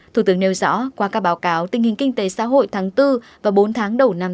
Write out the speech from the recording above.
thủ tướng nêu rõ qua các báo cáo tình hình kinh tế xã hội tháng bốn và bốn tháng đầu năm